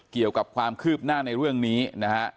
เกี่ยวกับความคืบหน้าในเรื่องนี้นะฮะ